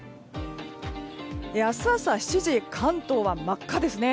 明日朝７時関東は真っ赤ですね。